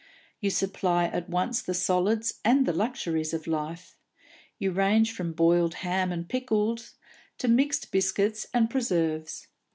You supply at once the solids and the luxuries of life; you range from boiled ham and pickles to mixed biscuits and preserves.